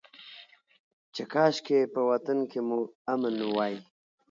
چې کاشکي په وطن کې مو امن وى.